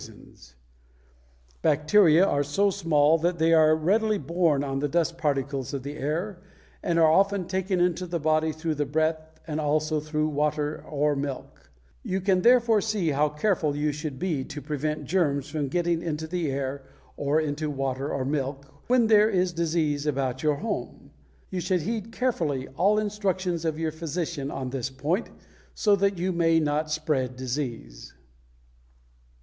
FORMS OF BACTERIA a, grippe; b, bubonic plague; c, diphtheria; d, tuberculosis; e, typhoid fever] Bacteria are so small that they are readily borne on the dust particles of the air and are often taken into the body through the breath and also through water or milk. You can therefore see how careful you should be to prevent germs from getting into the air or into water or milk when there is disease about your home. You should heed carefully all instructions of your physician on this point, so that you may not spread disease.